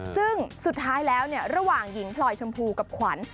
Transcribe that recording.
ซึ่งสุดท้ายแล้วระหว่างหญิงพลอยชมพูกับขวัญ